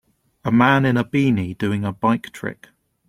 A man in a beanie doing a bike trick.